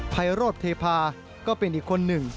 ภัยโรธเทพาก็เป็นอีกคนหนึ่ง